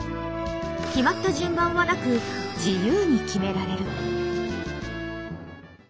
決まった順番はなく自由に決められる。